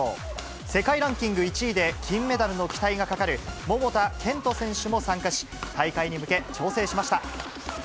世界ランキング１位で、金メダルの期待がかかる桃田賢斗選手も参加し、大会に向け、調整しました。